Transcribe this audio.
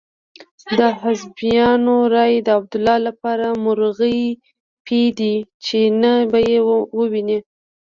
د حزبیانو رایې د عبدالله لپاره مرغۍ پۍ دي چې نه به يې وویني.